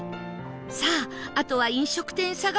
さああとは飲食店探しです